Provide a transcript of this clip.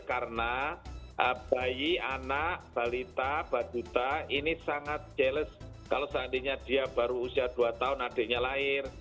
karena bayi anak balita baduta ini sangat jealous kalau seandainya dia baru usia dua tahun adiknya lahir